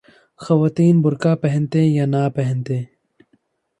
خواتین برقعہ پہنتیں یا نہ پہنتیں۔